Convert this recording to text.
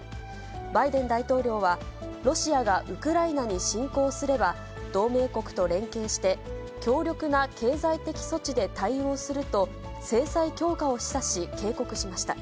バイデン大統領は、ロシアがウクライナに侵攻すれば、同盟国と連携して、強力な経済的措置で対応すると制裁強化を示唆し、警告しました。